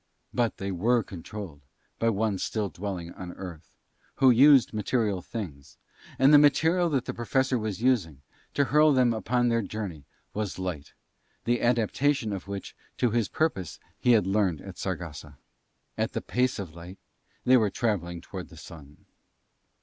But they were controlled by one still dwelling on Earth, who used material things, and the material that the Professor was using to hurl them upon their journey was light, the adaptation of which to this purpose he had learned at Saragossa. At the pace of light they were travelling towards the Sun.